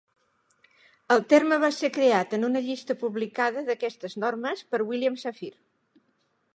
El terme va ser creat en una llista publicada d'aquestes normes per William Safire.